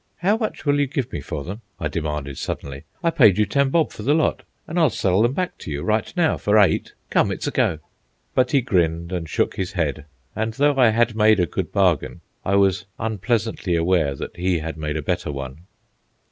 "How much will you give me for them?" I demanded suddenly. "I paid you ten bob for the lot, and I'll sell them back to you, right now, for eight! Come, it's a go!" But he grinned and shook his head, and though I had made a good bargain, I was unpleasantly aware that he had made a better one.